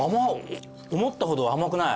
思ったほど甘くない。